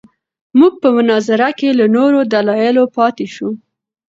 موږ په مناظره کې له نورو دلایلو پاتې شوو.